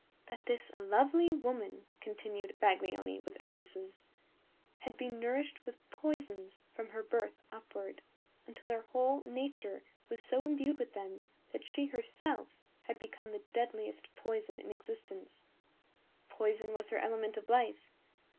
"That this lovely woman," continued Baglioni, with emphasis, "had been nourished with poisons from her birth upward, until her whole nature was so imbued with them that she herself had become the deadliest poison in existence. Poison was her element of life.